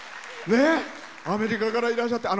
アメリカからいらっしゃって。